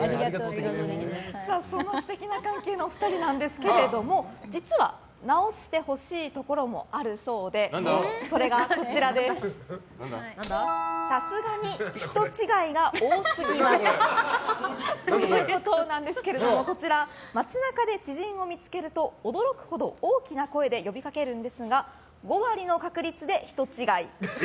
そんな素敵な関係のお二人ですが実は直してほしいところもあるそうでそれがさすがに人違いが多すぎますということなんですけれどもこちら、街中で知人を見つけると驚くほど大きな声で呼びかけるんですが５割の確率で人違い。